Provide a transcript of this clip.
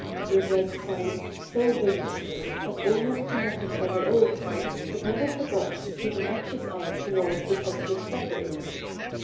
They rubbed sides so vigorously as almost to knock each other over but never forgot to keep an anxious eye toward the coveted supper.